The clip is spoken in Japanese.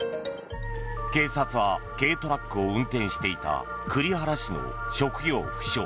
警察は軽トラックを運転していた栗原市の職業不詳